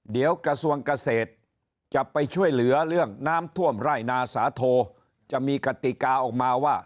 เดี๋ยวกระทรวงเกษตรจะไปช่วยเหลือเรื่องน้ำท่วมไร่นาสาโทจะมีกติกาออกมาว่า